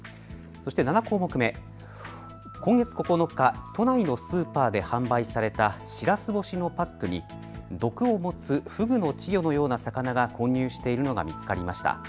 ７項目目、今月９日、都内のスーパーで販売されたしらす干しのパックに毒を持つフグの稚魚のような魚が混入しているのが見つかりました。